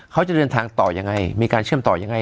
เขาจะเดินทางต่อยังไงมีการเชื่อมต่อยังไง